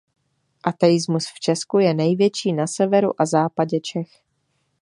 Ateismus v Česku je největší na severu a západě Čech.